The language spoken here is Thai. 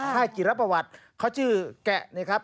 ค่ายจิรประวัติเขาชื่อแกะนะครับ